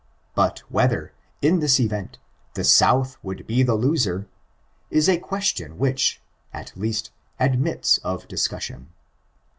But whether, in this event, the South would be the loser, is a question which, at least, admits of discussion.